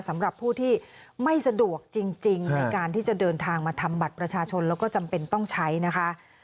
สำหรับผู้ที่ไม่สะดวกจริงในการที่จะเดินทางมาทำบัตรประชาชนแล้วก็จำเป็นต้องใช้นะคะ